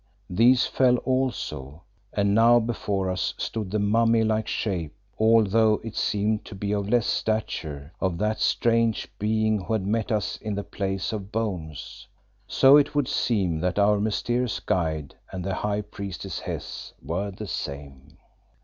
These fell also, and now before us stood the mummy like shape, although it seemed to be of less stature, of that strange being who had met us in the Place of Bones. So it would seem that our mysterious guide and the high priestess Hes were the same.